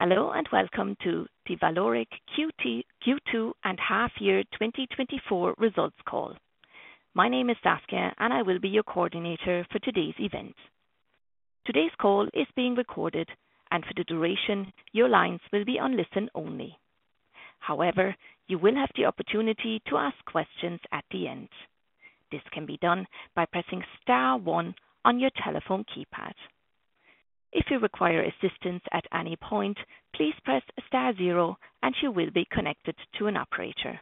Hello, and welcome to the Vallourec Q2 and Half Year 2024 Results Call. My name is Sascha, and I will be your coordinator for today's event. Today's call is being recorded, and for the duration, your lines will be on listen-only. However, you will have the opportunity to ask questions at the end. This can be done by pressing star one on your telephone keypad. If you require assistance at any point, please press star zero, and you will be connected to an operator.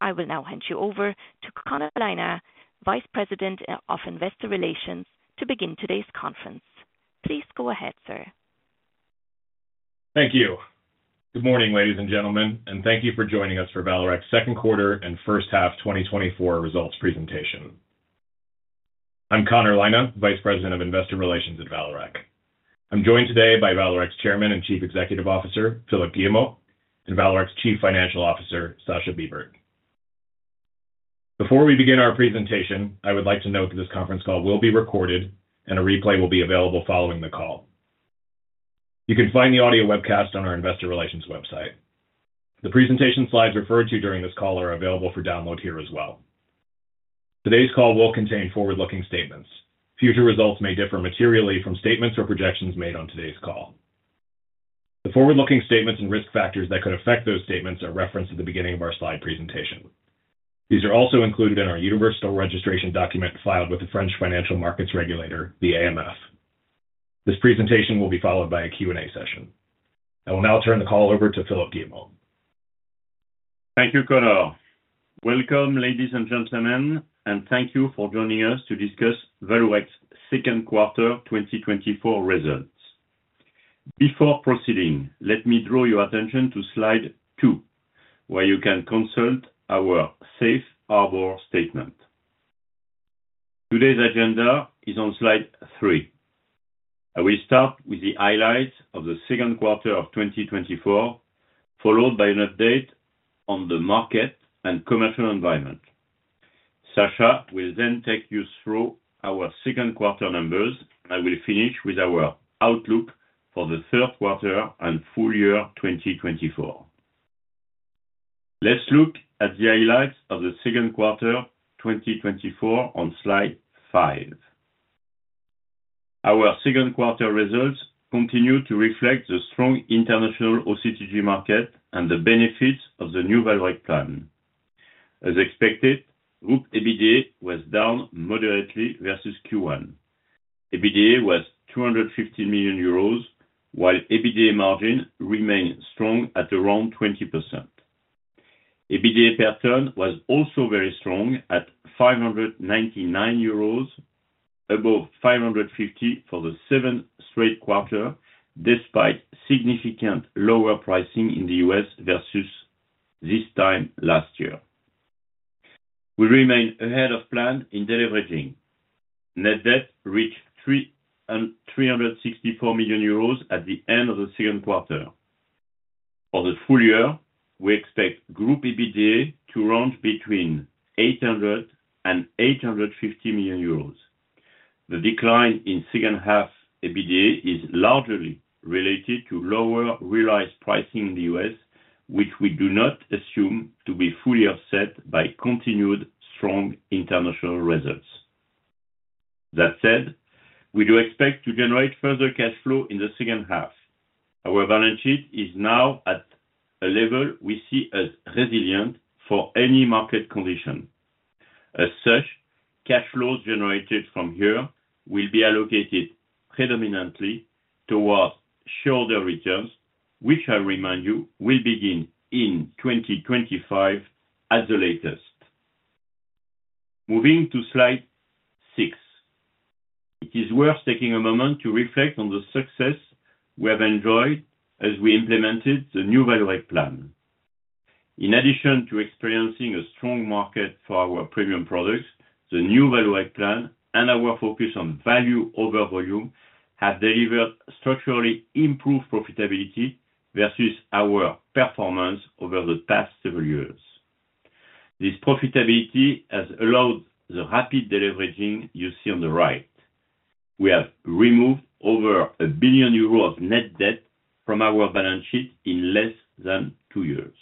I will now hand you over to Connor Lena, Vice President of Investor Relations, to begin today's conference. Please go ahead, sir. Thank you. Good morning, ladies and gentlemen, and thank you for joining us for Vallourec's second quarter and first half 2024 results presentation. I'm Connor Lena, Vice President of Investor Relations at Vallourec. I'm joined today by Vallourec's Chairman and Chief Executive Officer, Philippe Guillemot, and Vallourec's Chief Financial Officer, Sascha Bibert. Before we begin our presentation, I would like to note that this conference call will be recorded and a replay will be available following the call. You can find the audio webcast on our investor relations website. The presentation slides referred to during this call are available for download here as well. Today's call will contain forward-looking statements. Future results may differ materially from statements or projections made on today's call. The forward-looking statements and risk factors that could affect those statements are referenced at the beginning of our slide presentation. These are also included in our universal registration document filed with the French financial markets regulator, the AMF. This presentation will be followed by a Q&A session. I will now turn the call over to Philippe Guillemot. Thank you, Connor. Welcome, ladies and gentlemen, and thank you for joining us to discuss Vallourec's second quarter 2024 results. Before proceeding, let me draw your attention to slide 2, where you can consult our safe harbor statement. Today's agenda is on slide 3. I will start with the highlights of the second quarter of 2024, followed by an update on the market and commercial environment. Sascha will then take you through our second quarter numbers. I will finish with our outlook for the third quarter and full year 2024. Let's look at the highlights of the second quarter 2024 on slide 5. Our second quarter results continue to reflect the strong international OCTG market and the benefits of the new Vallourec plan. As expected, group EBITDA was down moderately versus Q1. EBITDA was EUR 250 million, while EBITDA margin remained strong at around 20%. EBITDA per ton was also very strong at 599 euros, above 550 for the seventh straight quarter, despite significant lower pricing in the US versus this time last year. We remain ahead of plan in deleveraging. Net debt reached 364 million euros at the end of the second quarter. For the full year, we expect group EBITDA to range between 800 million and 850 million euros. The decline in second half EBITDA is largely related to lower realized pricing in the US, which we do not assume to be fully offset by continued strong international results. That said, we do expect to generate further cash flow in the second half. Our balance sheet is now at a level we see as resilient for any market condition. As such, cash flows generated from here will be allocated predominantly towards shareholder returns, which I remind you, will begin in 2025 at the latest. Moving to slide 6. It is worth taking a moment to reflect on the success we have enjoyed as we implemented the new Vallourec plan. In addition to experiencing a strong market for our premium products, the new Vallourec plan and our focus on value over volume have delivered structurally improved profitability versus our performance over the past several years. This profitability has allowed the rapid deleveraging you see on the right. We have removed over 1 billion euros of net debt from our balance sheet in less than two years.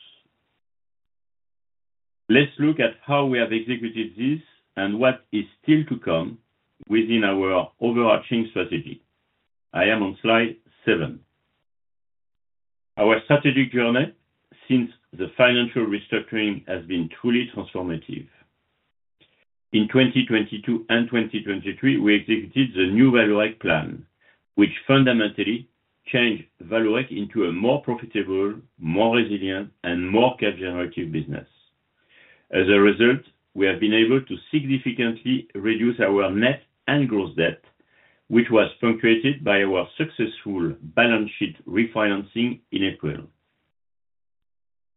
Let's look at how we have executed this and what is still to come within our overarching strategy. I am on slide seven. Our strategic journey since the financial restructuring has been truly transformative. In 2022 and 2023, we executed the new Vallourec plan, which fundamentally changed Vallourec into a more profitable, more resilient, and more cash generative business. As a result, we have been able to significantly reduce our net and gross debt, which was punctuated by our successful balance sheet refinancing in April.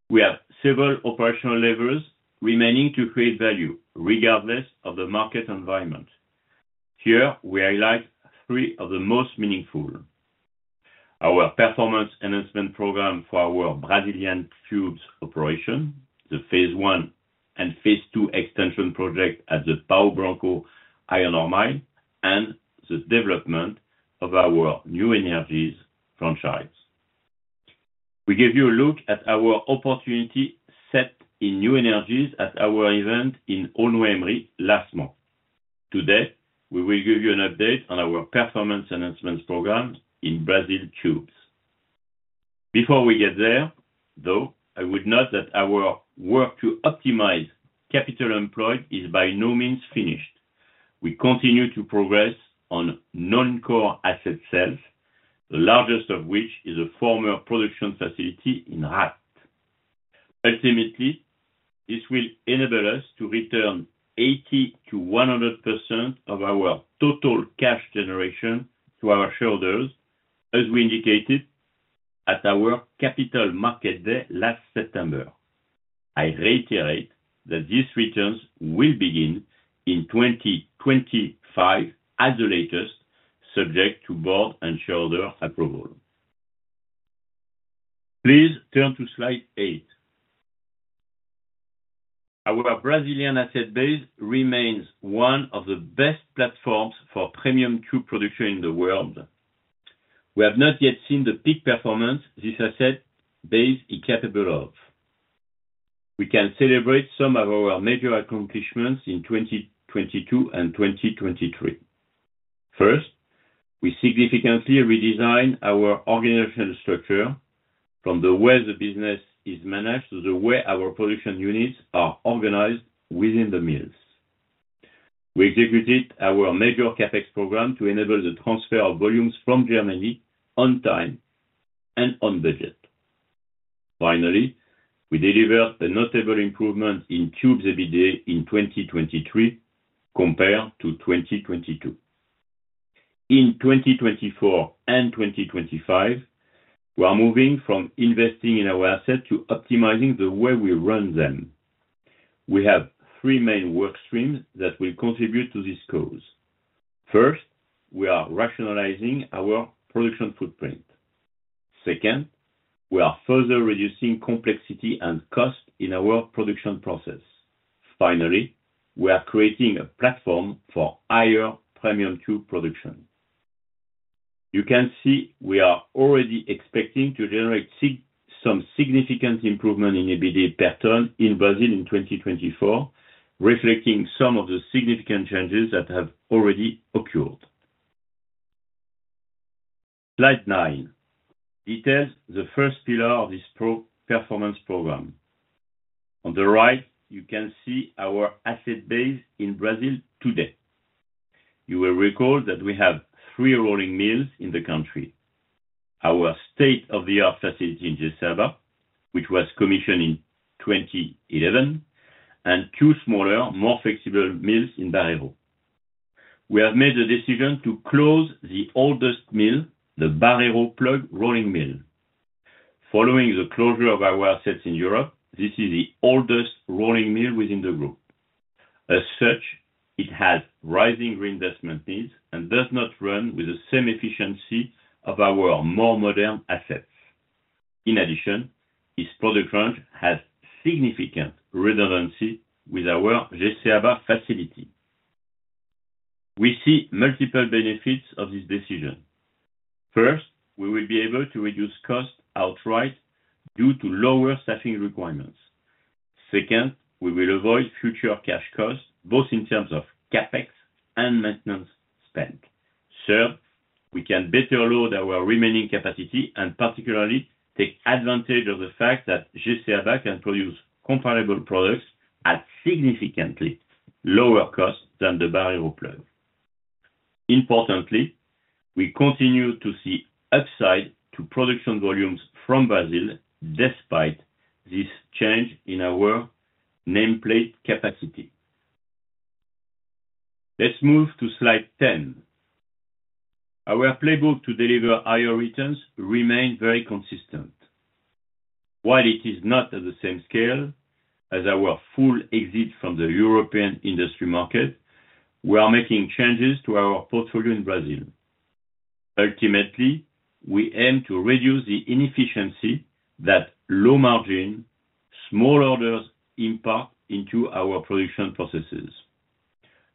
We have several operational levers remaining to create value, regardless of the market environment. Here, we highlight three of the most meaningful. Our performance enhancement program for our Brazilian tubes operation, the phase one and phase two extension project at the Pau Branco iron ore mine and the development of our new energies franchise. We gave you a look at our opportunity set in new energies at our event in Aulnoye-Aymeries last month. Today, we will give you an update on our performance enhancements program in Brazil Tubes. Before we get there, though, I would note that our work to optimize capital employed is by no means finished. We continue to progress on non-core asset sales, the largest of which is a former production facility in Rath. Ultimately, this will enable us to return 80%-100% of our total cash generation to our shareholders, as we indicated at our capital market day last September. I reiterate that these returns will begin in 2025 at the latest, subject to board and shareholder approval. Please turn to slide 8. Our Brazilian asset base remains one of the best platforms for premium tube production in the world. We have not yet seen the peak performance this asset base is capable of. We can celebrate some of our major accomplishments in 2022 and 2023. First, we significantly redesigned our organizational structure from the way the business is managed to the way our production units are organized within the mills. We executed our major CapEx program to enable the transfer of volumes from Germany on time and on budget. Finally, we delivered a notable improvement in tubes EBITDA in 2023 compared to 2022. In 2024 and 2025, we are moving from investing in our assets to optimizing the way we run them. We have three main work streams that will contribute to this cause. First, we are rationalizing our production footprint. Second, we are further reducing complexity and cost in our production process. Finally, we are creating a platform for higher premium tube production. You can see we are already expecting to generate some significant improvement in EBITDA per ton in Brazil in 2024, reflecting some of the significant changes that have already occurred. Slide 9 details the first pillar of this performance program. On the right, you can see our asset base in Brazil today. You will recall that we have three rolling mills in the country. Our state-of-the-art facility in Jeceaba, which was commissioned in 2011, and two smaller, more flexible mills in Barreiro. We have made the decision to close the oldest mill, the Barreiro plug rolling mill. Following the closure of our assets in Europe, this is the oldest rolling mill within the group. As such, it has rising reinvestment needs and does not run with the same efficiency of our more modern assets. In addition, its product range has significant redundancy with our Jeceaba facility. We see multiple benefits of this decision. First, we will be able to reduce costs outright due to lower staffing requirements. Second, we will avoid future cash costs, both in terms of CapEx and maintenance spend. Third, we can better load our remaining capacity and particularly take advantage of the fact that Jeceaba can produce comparable products at significantly lower cost than the Barreiro plug. Importantly, we continue to see upside to production volumes from Brazil despite this change in our nameplate capacity. Let's move to slide 10. Our playbook to deliver higher returns remains very consistent. While it is not at the same scale as our full exit from the European industry market, we are making changes to our portfolio in Brazil. Ultimately, we aim to reduce the inefficiency that low margin, small orders impact into our production processes.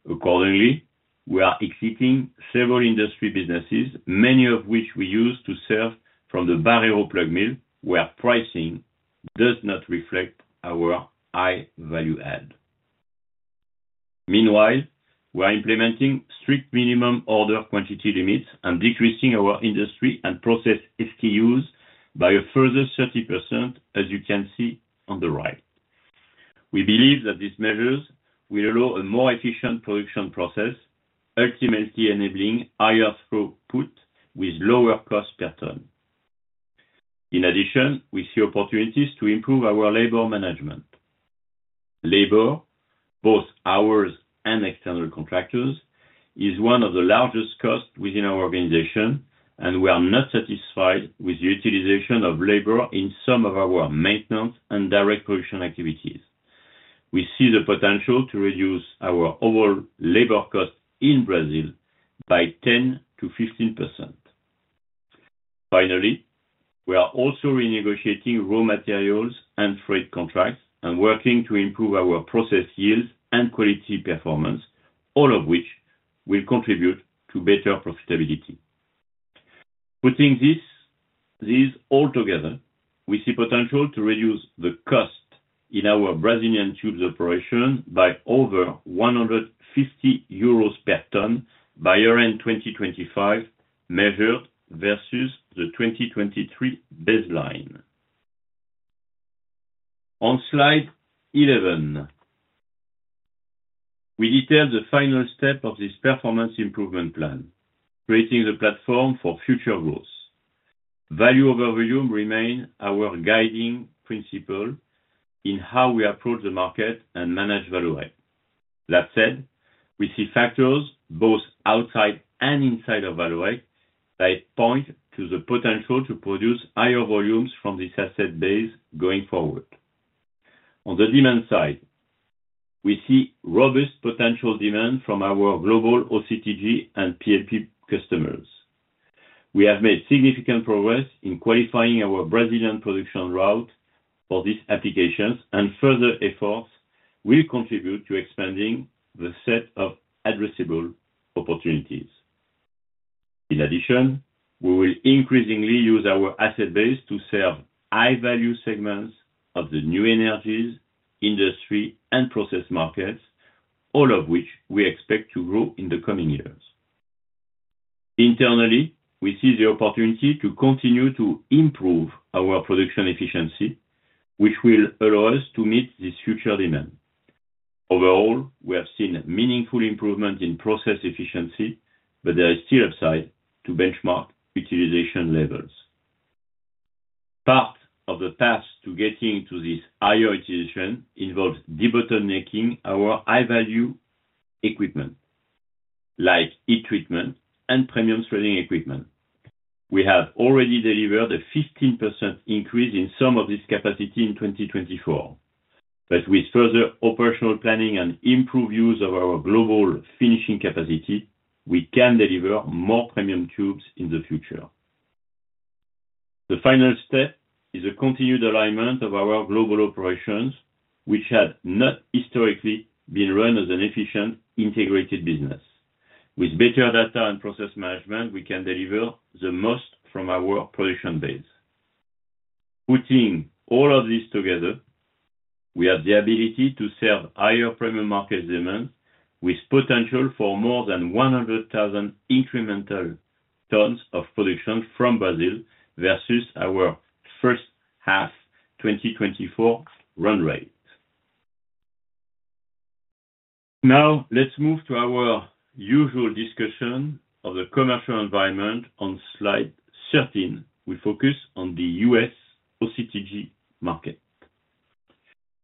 Accordingly, we are exiting several industry businesses, many of which we use to serve from the Barreiro plug mill, where pricing does not reflect our high value add. Meanwhile, we are implementing strict minimum order quantity limits and decreasing our industry and process SKUs by a further 30%, as you can see on the right. We believe that these measures will allow a more efficient production process, ultimately enabling higher throughput with lower cost per ton. In addition, we see opportunities to improve our labor management. Labor, both ours and external contractors, is one of the largest costs within our organization, and we are not satisfied with the utilization of labor in some of our maintenance and direct production activities. We see the potential to reduce our overall labor cost in Brazil by 10%-15%. Finally, we are also renegotiating raw materials and freight contracts and working to improve our process yield and quality performance, all of which will contribute to better profitability. Putting this, these all together, we see potential to reduce the cost in our Brazilian tubes operation by over 150 euros per ton by year-end 2025, measured versus the 2023 baseline. On slide 11, we detail the final step of this performance improvement plan, creating the platform for future growth. Value over volume remain our guiding principle in how we approach the market and manage Vallourec. That said, we see factors both outside and inside of Vallourec that point to the potential to produce higher volumes from this asset base going forward. On the demand side, we see robust potential demand from our global OCTG and PLP customers. We have made significant progress in qualifying our Brazilian production route for these applications, and further efforts will contribute to expanding the set of addressable opportunities. In addition, we will increasingly use our asset base to serve high-value segments of the new energies, industry, and process markets, all of which we expect to grow in the coming years. Internally, we see the opportunity to continue to improve our production efficiency, which will allow us to meet this future demand. Overall, we have seen a meaningful improvement in process efficiency, but there is still upside to benchmark utilization levels. Part of the path to getting to this higher utilization involves debottlenecking our high-value equipment, like heat treatment and premium threading equipment. We have already delivered a 15% increase in some of this capacity in 2024, but with further operational planning and improved use of our global finishing capacity, we can deliver more premium tubes in the future. The final step is a continued alignment of our global operations, which had not historically been run as an efficient, integrated business. With better data and process management, we can deliver the most from our production base. Putting all of this together, we have the ability to serve higher premium market demand, with potential for more than 100,000 incremental tons of production from Brazil versus our first half 2024 run rate. Now, let's move to our usual discussion of the commercial environment on slide 13. We focus on the U.S. OCTG market.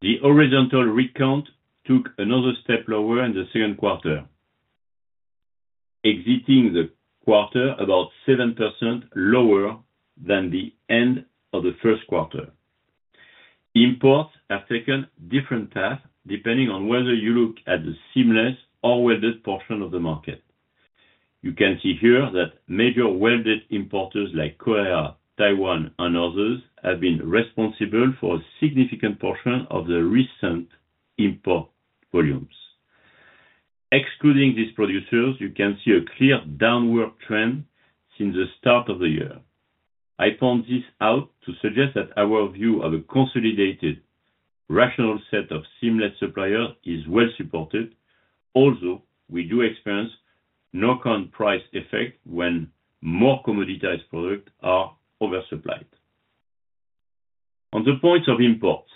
The horizontal rig count took another step lower in the second quarter, exiting the quarter about 7% lower than the end of the first quarter. Imports have taken different paths, depending on whether you look at the seamless or welded portion of the market. You can see here that major welded importers like Korea, Taiwan, and others have been responsible for a significant portion of the recent import volumes. Excluding these producers, you can see a clear downward trend since the start of the year. I point this out to suggest that our view of a consolidated, rational set of seamless suppliers is well supported. Although, we do experience knock-on price effect when more commoditized products are oversupplied. On the point of imports,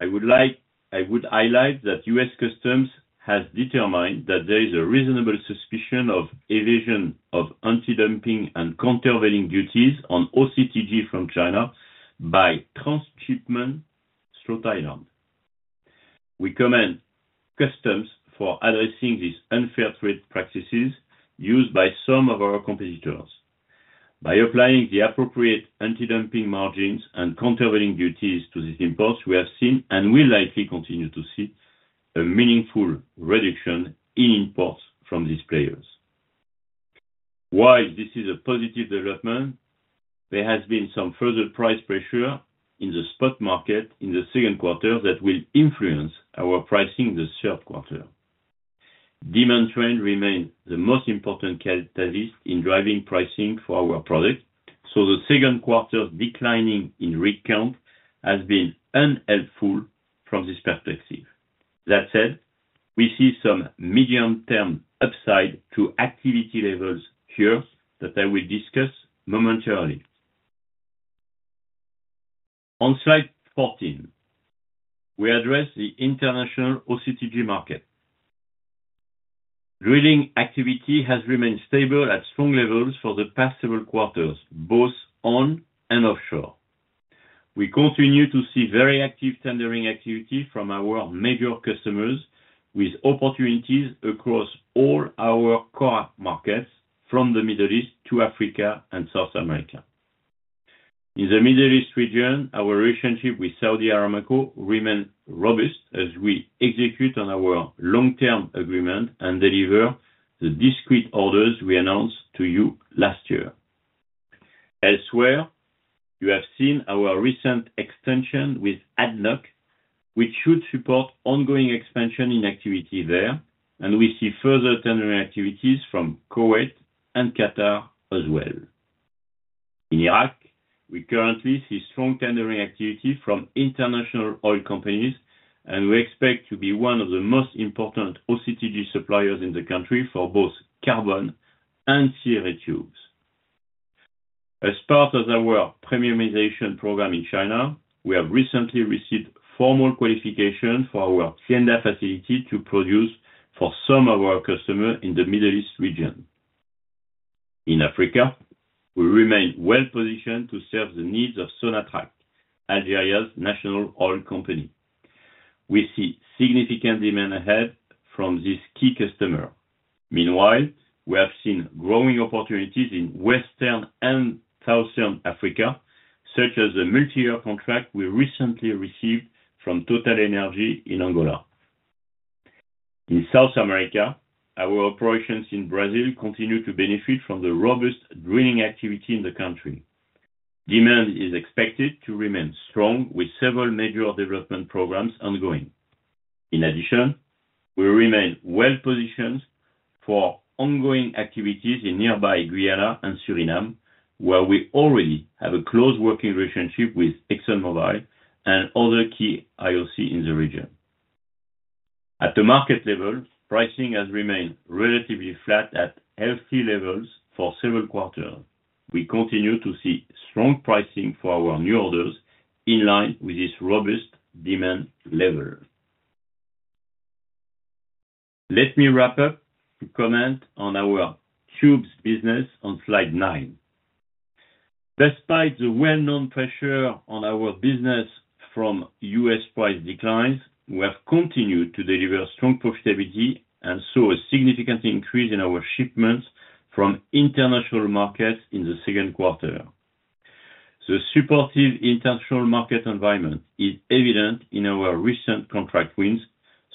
I would highlight that U.S. Customs has determined that there is a reasonable suspicion of evasion of antidumping and countervailing duties on OCTG from China by transshipment through Thailand. We commend Customs for addressing these unfair trade practices used by some of our competitors. By applying the appropriate antidumping margins and countervailing duties to these imports, we have seen and will likely continue to see a meaningful reduction in imports from these players. While this is a positive development, there has been some further price pressure in the spot market in the second quarter that will influence our pricing in the third quarter. Demand trend remains the most important catalyst in driving pricing for our products, so the second quarter declining in rig count has been unhelpful from this perspective. That said, we see some medium-term upside to activity levels here that I will discuss momentarily. On slide 14, we address the international OCTG market. Drilling activity has remained stable at strong levels for the past several quarters, both on and offshore. We continue to see very active tendering activity from our major customers, with opportunities across all our core markets, from the Middle East to Africa and South America. In the Middle East region, our relationship with Saudi Aramco remains robust as we execute on our long-term agreement and deliver the discrete orders we announced to you last year. Elsewhere, you have seen our recent extension with ADNOC, which should support ongoing expansion in activity there, and we see further tendering activities from Kuwait and Qatar as well. In Iraq, we currently see strong tendering activity from international oil companies, and we expect to be one of the most important OCTG suppliers in the country for both carbon and CRA tubes. As part of our premiumization program in China, we have recently received formal qualification for our Tianda facility to produce for some of our customers in the Middle East region. In Africa, we remain well positioned to serve the needs of Sonatrach, Algeria's national oil company. We see significant demand ahead from this key customer. Meanwhile, we have seen growing opportunities in Western and Southern Africa, such as a multi-year contract we recently received from TotalEnergies in Angola. In South America, our operations in Brazil continue to benefit from the robust drilling activity in the country. Demand is expected to remain strong, with several major development programs ongoing. In addition, we remain well positioned for ongoing activities in nearby Guyana and Suriname, where we already have a close working relationship with ExxonMobil and other key IOC in the region. At the market level, pricing has remained relatively flat at healthy levels for several quarters. We continue to see strong pricing for our new orders in line with this robust demand level. Let me wrap up to comment on our tubes business on slide 9. Despite the well-known pressure on our business from U.S. price declines, we have continued to deliver strong profitability and saw a significant increase in our shipments from international markets in the second quarter. The supportive international market environment is evident in our recent contract wins,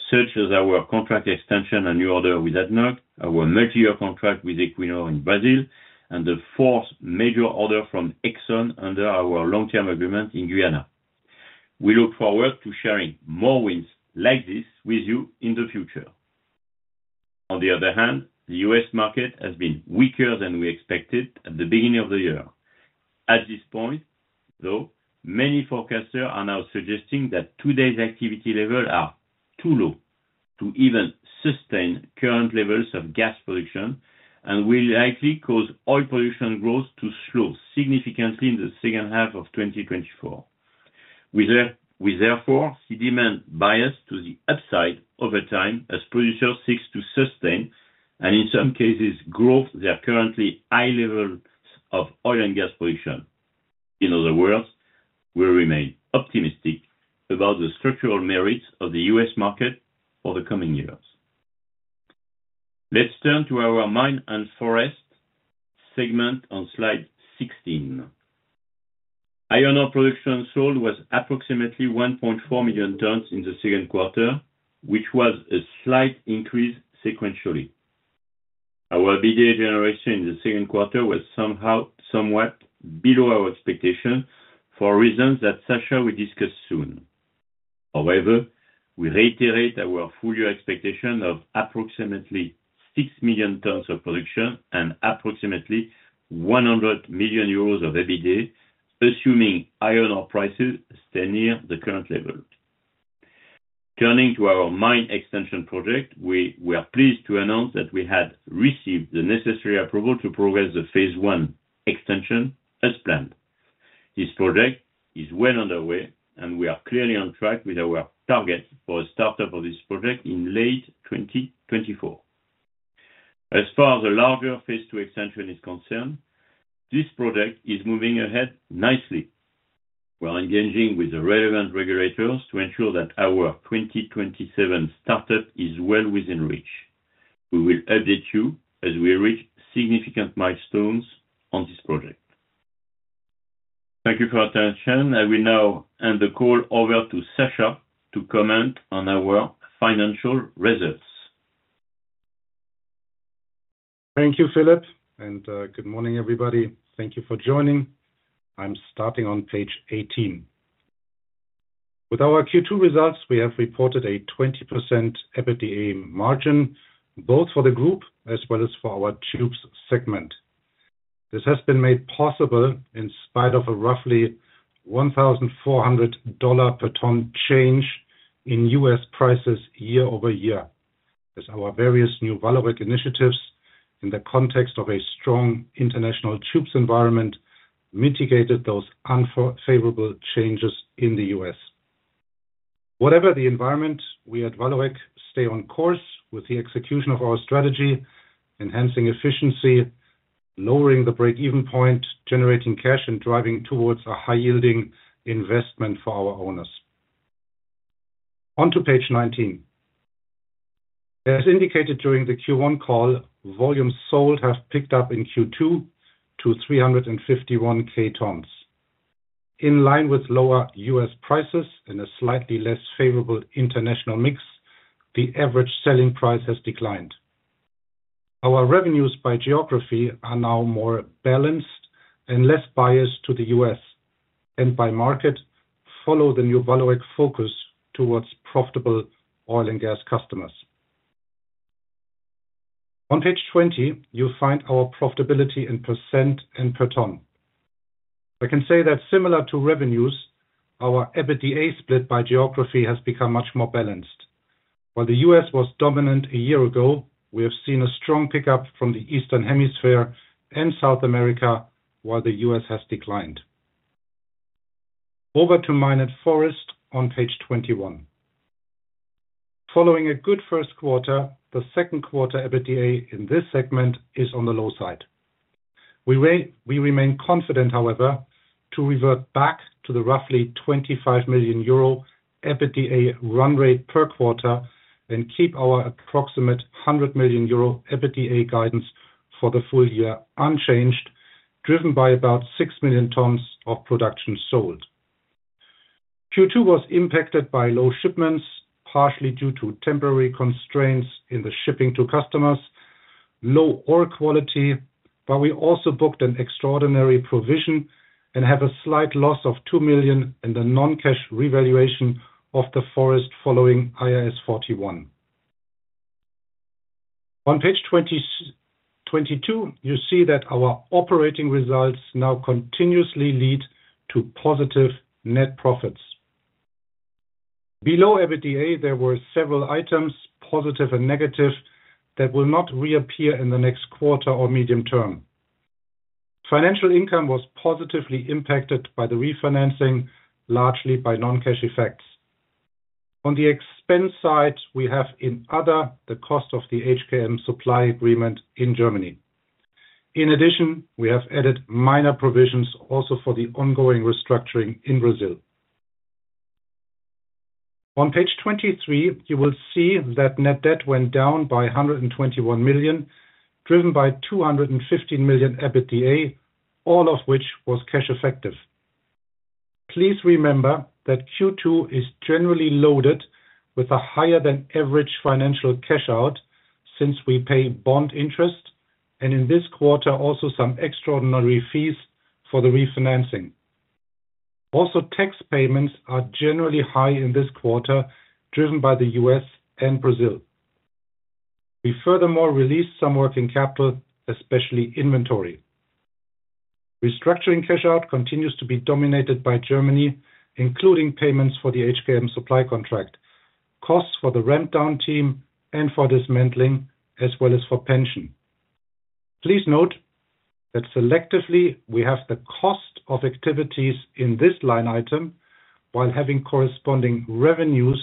such as our contract extension and new order with ADNOC, our multi-year contract with Equinor in Brazil, and the fourth major order from Exxon under our long-term agreement in Guyana. We look forward to sharing more wins like this with you in the future. On the other hand, the U.S. market has been weaker than we expected at the beginning of the year. At this point, though, many forecasters are now suggesting that today's activity levels are too low to even sustain current levels of gas production, and will likely cause oil production growth to slow significantly in the second half of 2024. We therefore see demand bias to the upside over time as producers seeks to sustain, and in some cases, grow their currently high levels of oil and gas production. In other words, we remain optimistic about the structural merits of the US market for the coming years. Let's turn to our mine and forest segment on slide 16. Iron ore production sold was approximately 1.4 million tons in the second quarter, which was a slight increase sequentially. Our EBITDA generation in the second quarter was somehow, somewhat below our expectations for reasons that Sascha will discuss soon. However, we reiterate our full year expectation of approximately 6 million tons of production and approximately 100 million euros of EBITDA, assuming iron ore prices stay near the current level. Turning to our mine extension project, we are pleased to announce that we have received the necessary approval to progress the phase one extension as planned. This project is well underway, and we are clearly on track with our target for the startup of this project in late 2024. As far as the larger phase two extension is concerned, this project is moving ahead nicely. We're engaging with the relevant regulators to ensure that our 2027 startup is well within reach. We will update you as we reach significant milestones on this project. Thank you for your attention. I will now hand the call over to Sascha to comment on our financial results. Thank you, Philippe, and good morning, everybody. Thank you for joining. I'm starting on page 18. With our Q2 results, we have reported a 20% EBITDA margin, both for the group as well as for our tubes segment. This has been made possible in spite of a roughly $1,400 per ton change in US prices year-over-year, as our various new Vallourec initiatives, in the context of a strong international tubes environment, mitigated those unfavorable changes in the US. Whatever the environment, we at Vallourec stay on course with the execution of our strategy, enhancing efficiency, lowering the break-even point, generating cash, and driving towards a high-yielding investment for our owners. On to page 19. As indicated during the Q1 call, volumes sold have picked up in Q2 to 351,000 tons. In line with lower US prices and a slightly less favorable international mix, the average selling price has declined. Our revenues by geography are now more balanced and less biased to the US, and by market, follow the new VALOIC focus towards profitable oil and gas customers. On page 20, you'll find our profitability in % and per ton. I can say that similar to revenues, our EBITDA split by geography has become much more balanced. While the US was dominant a year ago, we have seen a strong pickup from the Eastern Hemisphere and South America, while the US has declined. Over to Mining & Forest on page 21. Following a good first quarter, the second quarter EBITDA in this segment is on the low side. We remain confident, however, to revert back to the roughly 25 million euro EBITDA run rate per quarter and keep our approximate 100 million euro EBITDA guidance for the full year unchanged, driven by about 6 million tons of production sold. Q2 was impacted by low shipments, partially due to temporary constraints in the shipping to customers, low ore quality, but we also booked an extraordinary provision and have a slight loss of 2 million in the non-cash revaluation of the forest following IAS 41. On page 22, you see that our operating results now continuously lead to positive net profits. Below EBITDA, there were several items, positive and negative, that will not reappear in the next quarter or medium term. Financial income was positively impacted by the refinancing, largely by non-cash effects. On the expense side, we have in other, the cost of the HKM supply agreement in Germany. In addition, we have added minor provisions also for the ongoing restructuring in Brazil. On page 23, you will see that net debt went down by 121 million, driven by 215 million EBITDA, all of which was cash effective. Please remember that Q2 is generally loaded with a higher-than-average financial cash-out, since we pay bond interest, and in this quarter, also some extraordinary fees for the refinancing. Also, tax payments are generally high in this quarter, driven by the U.S. and Brazil. We furthermore released some working capital, especially inventory. Restructuring cash-out continues to be dominated by Germany, including payments for the HKM supply contract, costs for the ramp-down team and for dismantling, as well as for pension. Please note that selectively, we have the cost of activities in this line item, while having corresponding revenues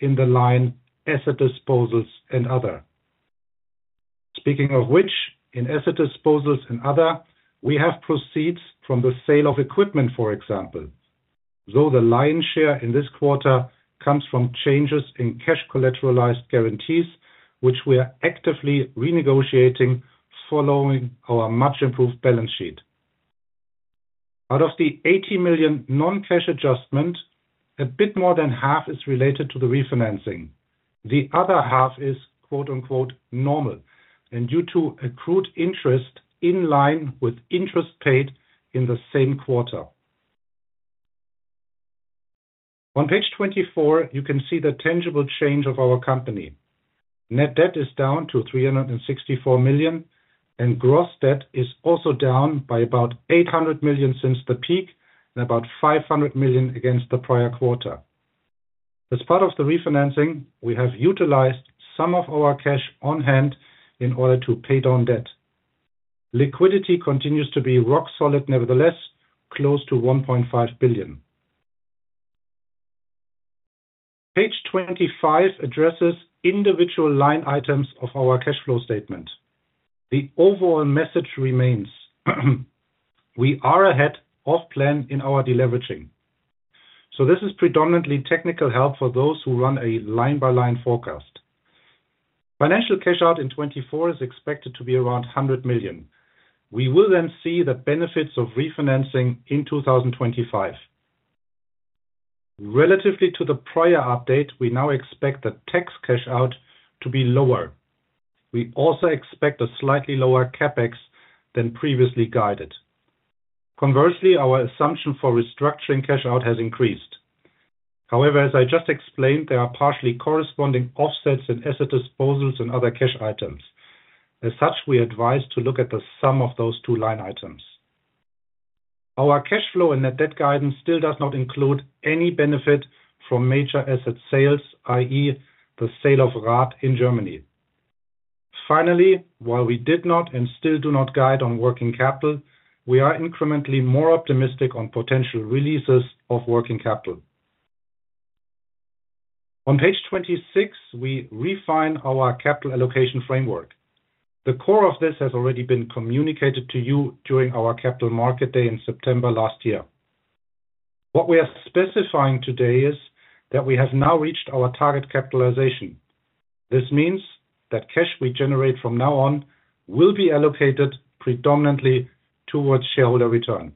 in the line asset disposals and other. Speaking of which, in asset disposals and other, we have proceeds from the sale of equipment, for example, though the lion's share in this quarter comes from changes in cash collateralized guarantees, which we are actively renegotiating following our much-improved balance sheet. Out of the 80 million non-cash adjustment, a bit more than half is related to the refinancing. The other half is, quote, unquote, "normal," and due to accrued interest in line with interest paid in the same quarter. On page 24, you can see the tangible change of our company. Net debt is down to 364 million, and gross debt is also down by about 800 million since the peak, and about 500 million against the prior quarter. As part of the refinancing, we have utilized some of our cash on hand in order to pay down debt. Liquidity continues to be rock solid, nevertheless, close to 1.5 billion. Page 25 addresses individual line items of our cash flow statement. The overall message remains, we are ahead of plan in our deleveraging. So this is predominantly technical help for those who run a line-by-line forecast. Financial cash-out in 2024 is expected to be around 100 million. We will then see the benefits of refinancing in 2025. Relative to the prior update, we now expect the tax cash-out to be lower. We also expect a slightly lower CapEx than previously guided. Conversely, our assumption for restructuring cash-out has increased. However, as I just explained, there are partially corresponding offsets in asset disposals and other cash items. As such, we advise to look at the sum of those two line items. Our cash flow and net debt guidance still does not include any benefit from major asset sales, i.e., the sale of Rath in Germany. Finally, while we did not and still do not guide on working capital, we are incrementally more optimistic on potential releases of working capital. On page 26, we refine our capital allocation framework. The core of this has already been communicated to you during our capital market day in September last year. What we are specifying today is that we have now reached our target capitalization. This means that cash we generate from now on will be allocated predominantly towards shareholder return.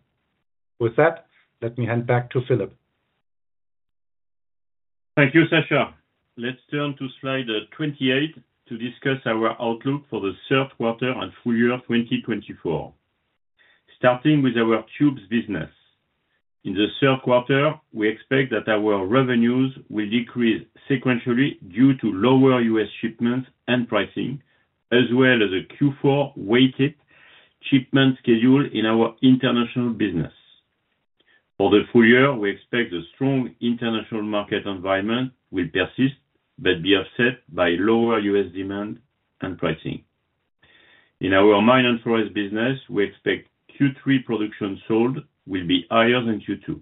With that, let me hand back to Philippe. Thank you, Saskia. Let's turn to slide 28 to discuss our outlook for the third quarter and full year 2024. Starting with our tubes business. In the third quarter, we expect that our revenues will decrease sequentially due to lower U.S. shipments and pricing, as well as a Q4 weighted shipment schedule in our international business. For the full year, we expect the strong international market environment will persist, but be offset by lower U.S. demand and pricing. In our mine and forest business, we expect Q3 production sold will be higher than Q2.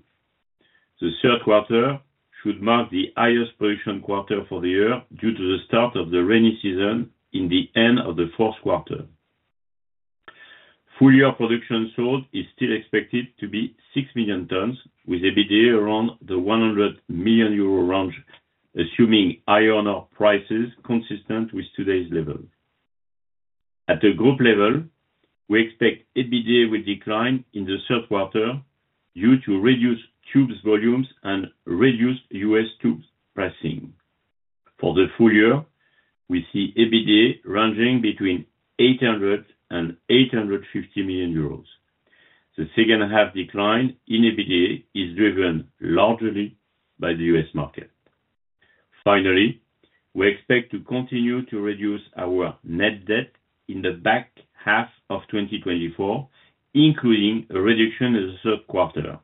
The third quarter should mark the highest production quarter for the year due to the start of the rainy season in the end of the fourth quarter. Full-year production sold is still expected to be 6 million tons, with EBITDA around the 100 million euro range, assuming higher on our prices, consistent with today's level. At the group level, we expect EBITDA will decline in the third quarter due to reduced tubes volumes and reduced U.S. tubes pricing. For the full year, we see EBITDA ranging between 800 million euros and 850 million euros. The second half decline in EBITDA is driven largely by the U.S. market. Finally, we expect to continue to reduce our net debt in the back half of 2024, including a reduction in the third quarter.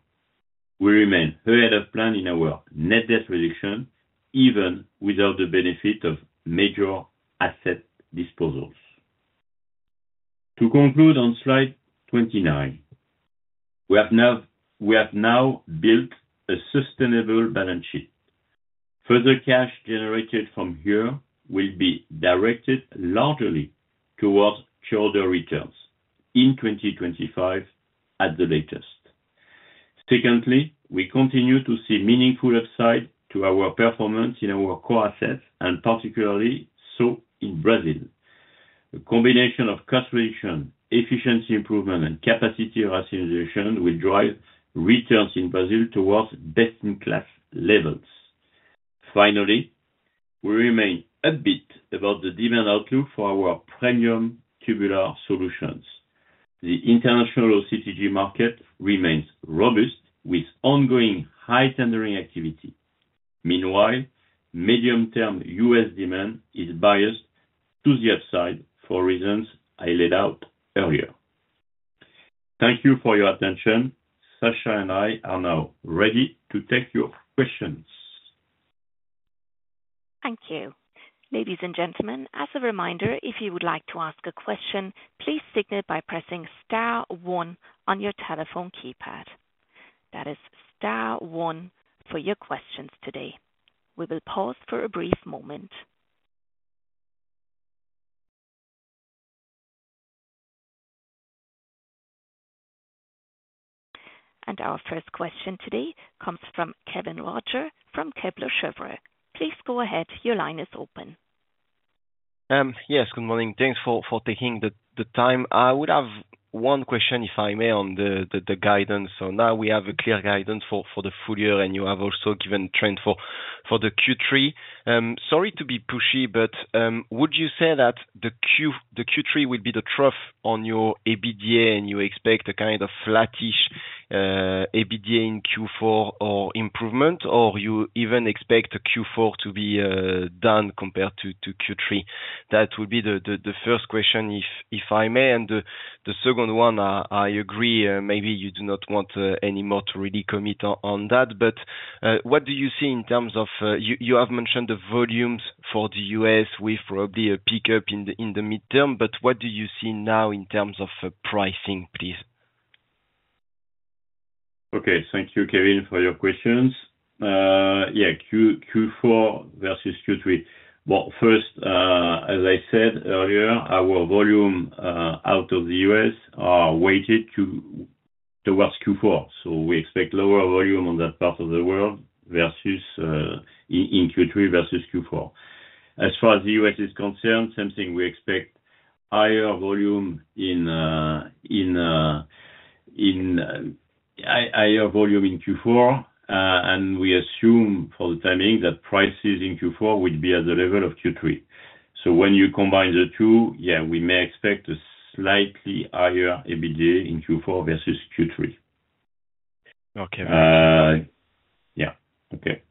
We remain ahead of plan in our net debt reduction, even without the benefit of major asset disposals. To conclude on slide 29, we have now, we have now built a sustainable balance sheet. Further cash generated from here will be directed largely towards shareholder returns in 2025 at the latest. Secondly, we continue to see meaningful upside to our performance in our core assets, and particularly so in Brazil. A combination of cost reduction, efficiency improvement, and capacity rationalization will drive returns in Brazil towards best-in-class levels. Finally, we remain upbeat about the demand outlook for our premium tubular solutions. The international OCTG market remains robust, with ongoing high tendering activity. Meanwhile, medium-term U.S. demand is biased to the upside for reasons I laid out earlier. Thank you for your attention. Sascha and I are now ready to take your questions. Thank you. Ladies and gentlemen, as a reminder, if you would like to ask a question, please signal by pressing star one on your telephone keypad. That is star one for your questions today. We will pause for a brief moment. Our first question today comes from Kevin Roger from Kepler Cheuvreux. Please go ahead. Your line is open. Yes, good morning. Thanks for taking the time. I would have one question, if I may, on the guidance. So now we have a clear guidance for the full year, and you have also given trend for the Q3. Sorry to be pushy, but would you say that the Q3 will be the trough on your EBITDA, and you expect a kind of flattish EBITDA in Q4 or improvement, or you even expect the Q4 to be down compared to Q3? That would be the first question if I may, and the second one, I agree, maybe you do not want any more to really commit on that, but what do you see in terms of, you have mentioned the volumes for the U.S. with probably a pickup in the midterm, but what do you see now in terms of pricing, please? Okay. Thank you, Kevin, for your questions. Yeah, Q4 versus Q3. Well, first, as I said earlier, our volume out of the US are weighted towards Q4, so we expect lower volume on that part of the world versus in Q3 versus Q4. As far as the US is concerned, same thing, we expect higher volume in Q4. And we assume for the timing, that prices in Q4 will be at the level of Q3. So when you combine the two, yeah, we may expect a slightly higher EBITDA in Q4 versus Q3. Okay. Yeah. Okay.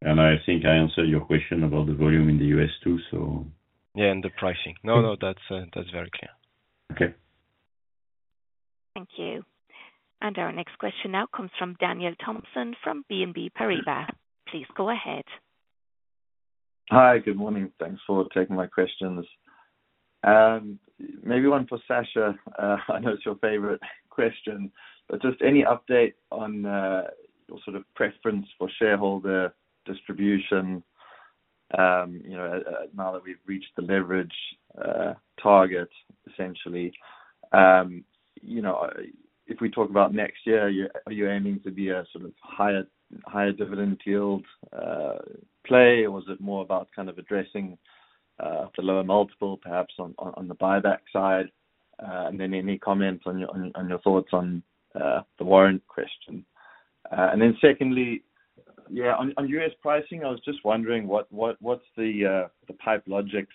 And I think I answered your question about the volume in the U.S., too, so- Yeah, and the pricing. No, no, that's, that's very clear. Okay. Thank you. Our next question now comes from Daniel Thomson from BNP Paribas. Please go ahead. Hi, good morning. Thanks for taking my questions. Maybe one for Sascha. I know it's your favorite question, but just any update on, your sort of preference for shareholder distribution?... you know, now that we've reached the leverage, target, essentially, you know, if we talk about next year, are you, are you aiming to be a sort of higher, higher dividend yield, play, or was it more about kind of addressing, the lower multiple, perhaps on, on, on the buyback side? And then any comments on your, on, on your thoughts on, the Warrequestion? And then secondly, yeah, on US pricing, I was just wondering what's the Pipe Logics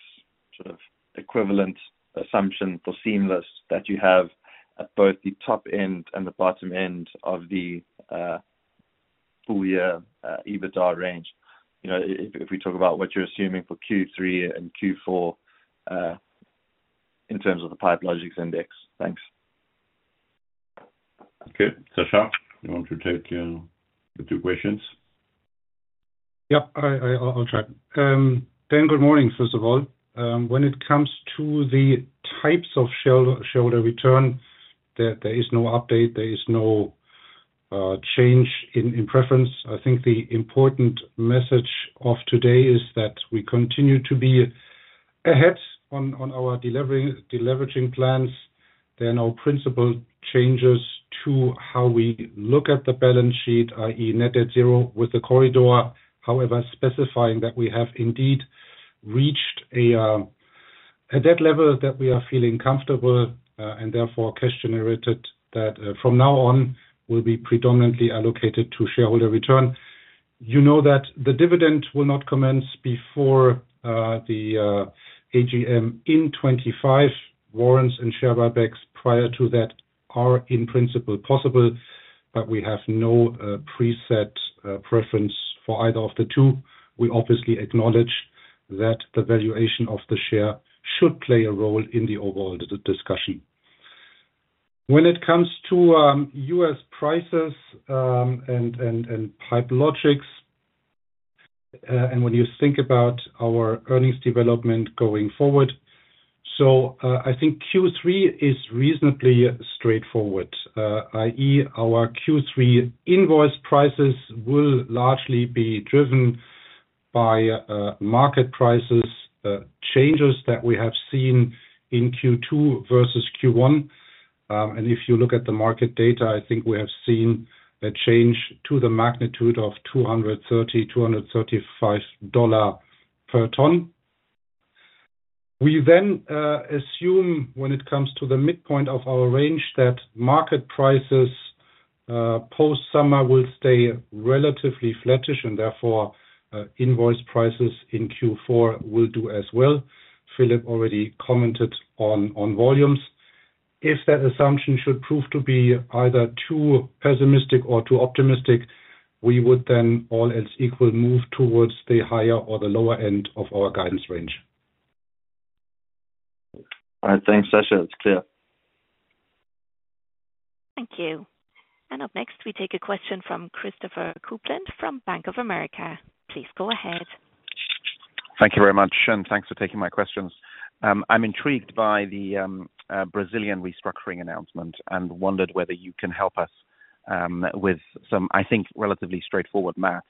sort of equivalent assumption for seamless that you have at both the top end and the bottom end of the full year EBITDA range? You know, if we talk about what you're assuming for Q3 and Q4 in terms of the Pipe Logics index. Thanks. Okay. Sascha, you want to take the two questions? Yep, I'll try. Dan, good morning first of all. When it comes to the types of shareholder return, there is no update, there is no change in preference. I think the important message of today is that we continue to be ahead on our deleveraging plans. There are no principal changes to how we look at the balance sheet, i.e., net at zero with the corridor. However, specifying that we have indeed reached a debt level that we are feeling comfortable, and therefore, cash generated that from now on, will be predominantly allocated to shareholder return. You know that the dividend will not commence before the AGM in 2025. Warrants and share buybacks prior to that are, in principle, possible, but we have no preset preference for either of the two. We obviously acknowledge that the valuation of the share should play a role in the overall discussion. When it comes to US prices and Pipe Logix, and when you think about our earnings development going forward, I think Q3 is reasonably straightforward. i.e., our Q3 invoice prices will largely be driven by market prices changes that we have seen in Q2 versus Q1. And if you look at the market data, I think we have seen a change to the magnitude of 235 $ per ton. We then assume when it comes to the midpoint of our range, that market prices post-summer will stay relatively flattish, and therefore invoice prices in Q4 will do as well. Philippe already commented on volumes. If that assumption should prove to be either too pessimistic or too optimistic, we would then, all else equal, move towards the higher or the lower end of our guidance range. All right. Thanks, Sascha. It's clear. Thank you. Up next, we take a question from Christopher Kuplent from Bank of America. Please go ahead. Thank you very much, and thanks for taking my questions. I'm intrigued by the Brazilian restructuring announcement and wondered whether you can help us with some, I think, relatively straightforward math.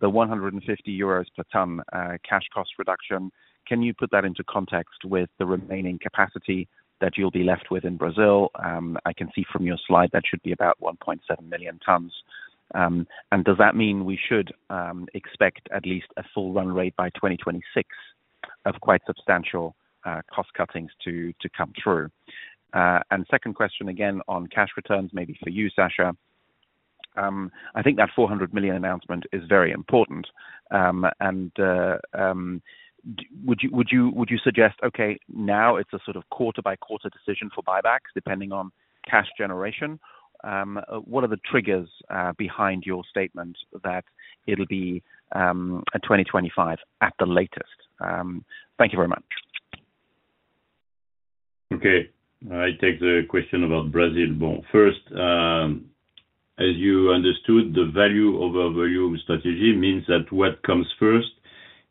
The 150 euros per ton cash cost reduction, can you put that into context with the remaining capacity that you'll be left with in Brazil? I can see from your slide that should be about 1.7 million tons. Does that mean we should expect at least a full run rate by 2026 of quite substantial cost cuttings to come through? Second question, again, on cash returns, maybe for you, Sascha. I think that 400 million announcement is very important, and would you suggest, okay, now it's a sort of quarter-by-quarter decision for buybacks, depending on cash generation? What are the triggers behind your statement that it'll be 2025 at the latest? Thank you very much. Okay. I take the question about Brazil. Well, first, as you understood, the value over volume strategy means that what comes first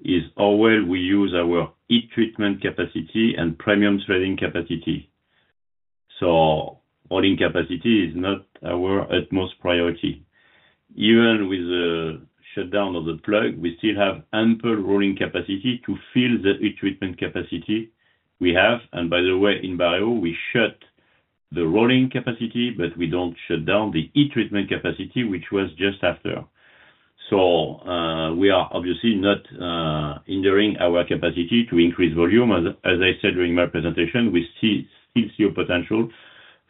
is how well we use our heat-treatment capacity and premium threading capacity. So rolling capacity is not our utmost priority. Even with the shutdown of the plug, we still have ample rolling capacity to fill the heat-treatment capacity we have. And by the way, in Barreiro, we shut the rolling capacity, but we don't shut down the heat-treatment capacity, which was just after. So, we are obviously not hindering our capacity to increase volume. As I said during my presentation, we see still potential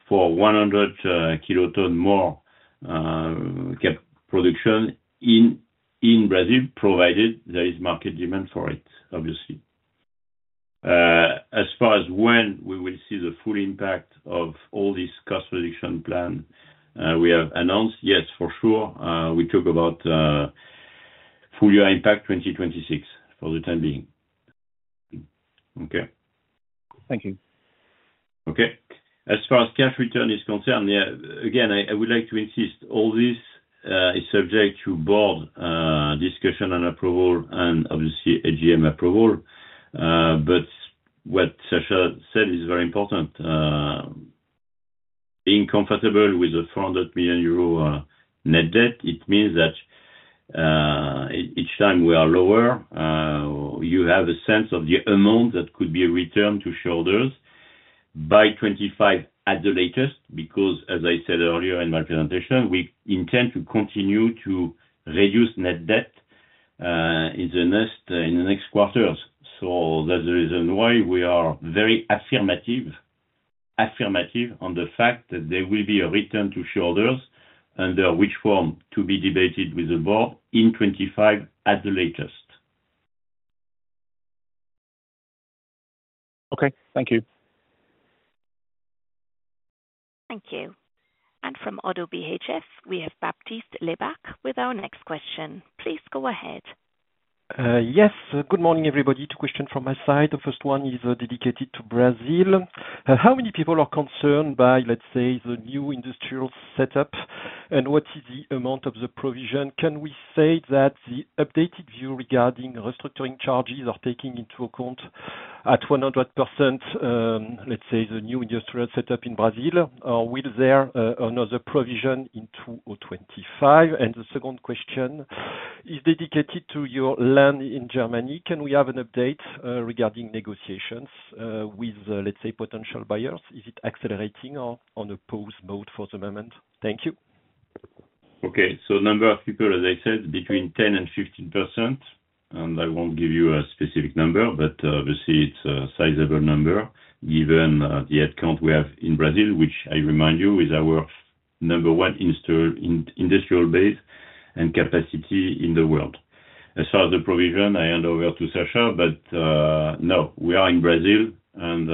for 100 kiloton more cap production in Brazil, provided there is market demand for it, obviously. As far as when we will see the full impact of all this cost reduction plan, we have announced, yes, for sure, we talk about full-year impact 2026, for the time being. Okay. Thank you. Okay. As far as cash return is concerned, yeah, again, I, I would like to insist all this is subject to board discussion and approval and obviously AGM approval. But what Sasha said is very important, being comfortable with the 400 million euro net debt, it means that each time we are lower, you have a sense of the amount that could be a return to shareholders by 2025 at the latest. Because as I said earlier in my presentation, we intend to continue to reduce net debt in the next, in the next quarters. So that's the reason why we are very affirmative, affirmative on the fact that there will be a return to shareholders, under which form to be debated with the board in 2025 at the latest. Okay, thank you. Thank you. And from ODDO BHF, we have Baptiste Lebacq with our next question. Please go ahead. Yes, good morning, everybody. Two question from my side. The first one is dedicated to Brazil. How many people are concerned by, let's say, the new industrial setup? And what is the amount of the provision? Can we say that the updated view regarding restructuring charges are taking into account at 100%, let's say, the new industrial setup in Brazil, or will there another provision in 2025? And the second question is dedicated to your land in Germany. Can we have an update regarding negotiations with, let's say, potential buyers? Is it accelerating or on a pause mode for the moment? Thank you. Okay. Number of people, as I said, between 10%-15%, and I won't give you a specific number, but obviously it's a sizable number given the head count we have in Brazil, which I remind you is our number one industrial base and capacity in the world. As far as the provision, I hand over to Sascha, but no, we are in Brazil, and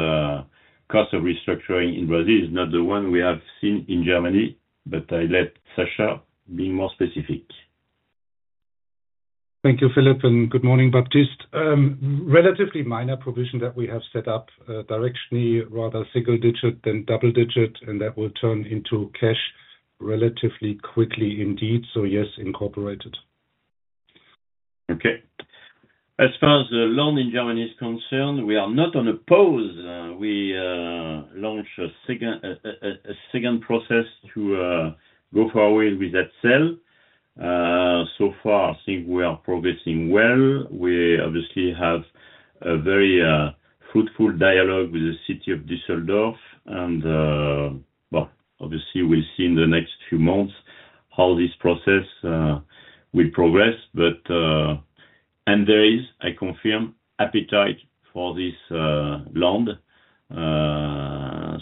cost of restructuring in Brazil is not the one we have seen in Germany. But I let Sascha be more specific. Thank you, Philippe, and good morning, Baptiste. Relatively minor provision that we have set up, directionally, rather single digit than double digit, and that will turn into cash relatively quickly indeed, so yes, incorporated. Okay. As far as the land in Germany is concerned, we are not on a pause. We launched a second process to go forward with that sale. So far, I think we are progressing well. We obviously have a very fruitful dialogue with the city of Düsseldorf, and well, obviously, we'll see in the next few months how this process will progress. But there is, I confirm, appetite for this land.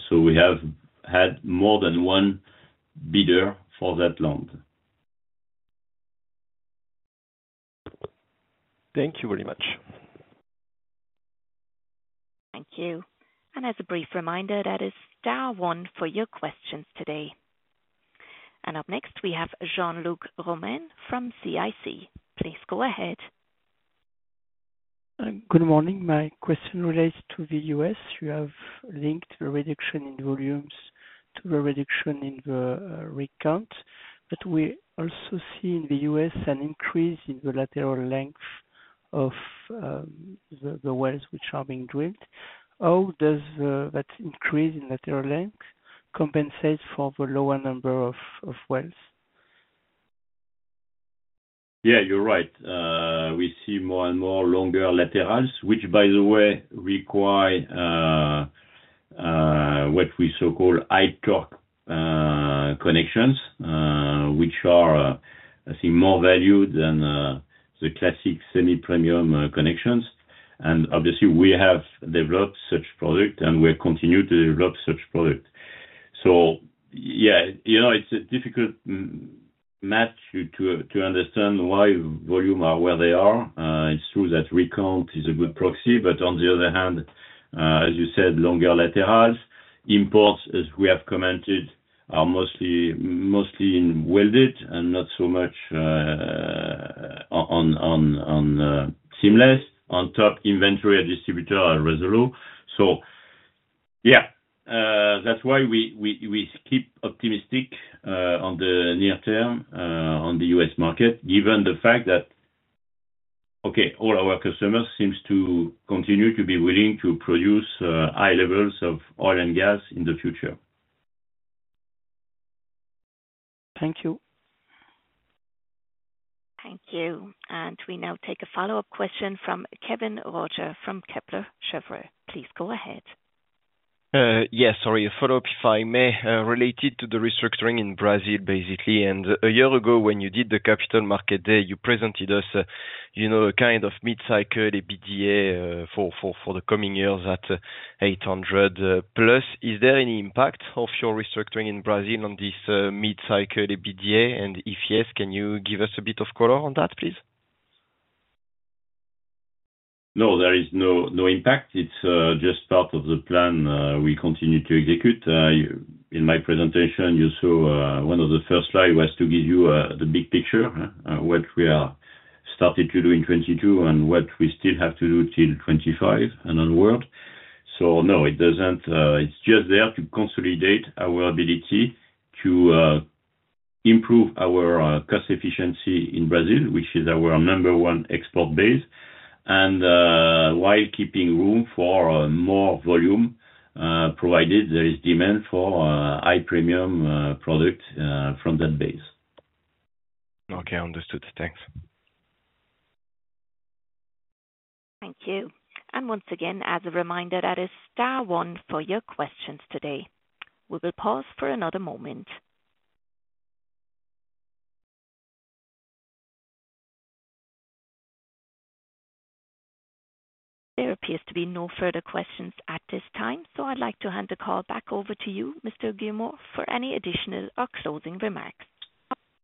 So we have had more than one bidder for that land. Thank you very much. Thank you. As a brief reminder, that is star one for your questions today. Up next, we have Jean-Luc Romain from CIC. Please go ahead. Good morning. My question relates to the U.S. You have linked the reduction in volumes to the reduction in the rig count. But we also see in the U.S. an increase in the lateral length of the wells which are being drilled. How does that increase in lateral length compensate for the lower number of wells? Yeah, you're right. We see more and more longer laterals, which, by the way, require what we so-called high torque connections, which are, I think, more value than the classic semi-premium connections. And obviously, we have developed such product, and we're continuing to develop such product. So yeah, you know, it's a difficult match to understand why volumes are where they are. It's true that rig count is a good proxy, but on the other hand, as you said, longer laterals. Imports, as we have commented, are mostly in welded and not so much on seamless. On top, inventory at distributors are low. So yeah, that's why we keep optimistic on the near term on the US market, given the fact that, okay, all our customers seems to continue to be willing to produce high levels of oil and gas in the future. Thank you. Thank you. We now take a follow-up question from Kevin Roger from Kepler Cheuvreux. Please go ahead. Yes, sorry. A follow-up, if I may, related to the restructuring in Brazil, basically. A year ago, when you did the capital market there, you presented us, you know, a kind of mid-cycle EBITDA for the coming years at 800+. Is there any impact of your restructuring in Brazil on this mid-cycle EBITDA? And if yes, can you give us a bit of color on that, please? No, there is no, no impact. It's just part of the plan we continue to execute. In my presentation, you saw one of the first slide was to give you the big picture what we are starting to do in 2022 and what we still have to do till 2025 and onward. So no, it doesn't... It's just there to consolidate our ability to improve our cost efficiency in Brazil, which is our number one export base. And while keeping room for more volume provided there is demand for high premium product from that base. Okay, understood. Thanks. Thank you. And once again, as a reminder, that is star one for your questions today. We will pause for another moment. There appears to be no further questions at this time, so I'd like to hand the call back over to you, Mr. Guillemot, for any additional or closing remarks.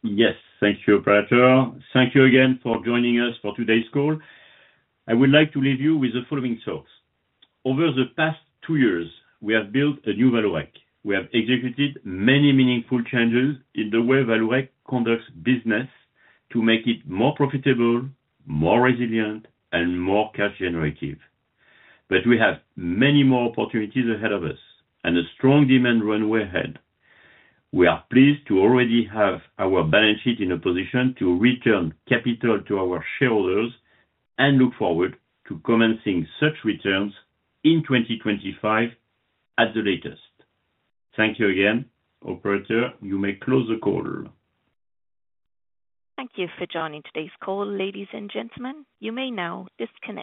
Yes, thank you, operator. Thank you again for joining us for today's call. I would like to leave you with the following thoughts: Over the past two years, we have built a new Vallourec. We have executed many meaningful changes in the way Vallourec conducts business to make it more profitable, more resilient, and more cash generative. But we have many more opportunities ahead of us and a strong demand runway ahead. We are pleased to already have our balance sheet in a position to return capital to our shareholders and look forward to commencing such returns in 2025 at the latest. Thank you again. Operator, you may close the call. Thank you for joining today's call, ladies and gentlemen. You may now disconnect.